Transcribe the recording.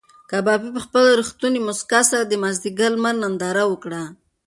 کبابي په خپله رښتونې موسکا سره د مازدیګر د لمر ننداره وکړه.